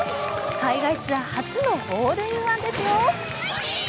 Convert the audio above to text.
海外ツアー初のホールインワンですよ。